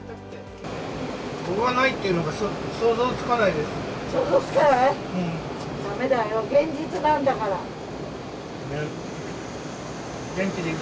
ここがないっていうのがすご想像つかない？